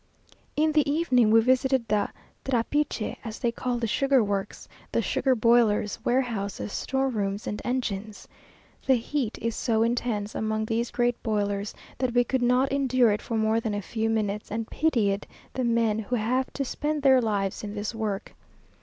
In the evening we visited the trapiche, as they call the sugar works, the sugar boilers, warehouses, store rooms, and engines. The heat is so intense among these great boilers, that we could not endure it for more than a few minutes, and pitied the men who have to spend their lives in this work.